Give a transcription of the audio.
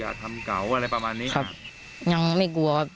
ทำเก่าอะไรประมาณนี้ครับยังไม่กลัวครับ